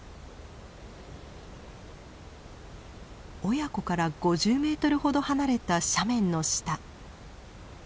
親子から５０メートルほど離れた斜面の下。